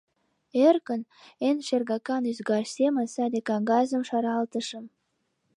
Эркын, эн шергакан ӱзгар семын, саде кагазым шаралтышым.